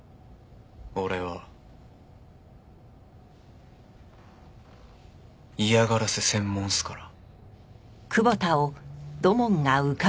俺は嫌がらせ専門っすから。